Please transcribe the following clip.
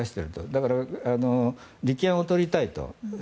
だから、利権を取りたいと。